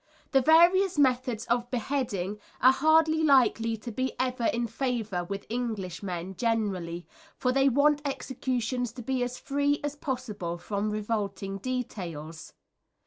The various methods of beheading are hardly likely to be ever in favour with Englishmen generally, for they want executions to be as free as possible from revolting details.